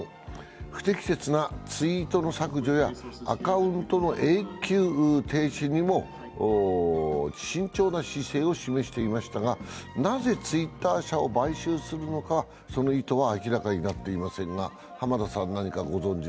不適切なツイートの削除やアカウントの永久停止にも慎重な姿勢を示していましたが、なぜツイッター社を買収するのか、その意図は明らかになっていません。